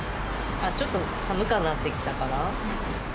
ちょっと寒くはなってきたから。